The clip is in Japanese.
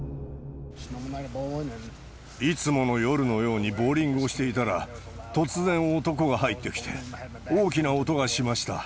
いつもの夜のようにボウリングをしていたら、突然男が入ってきて、大きな音がしました。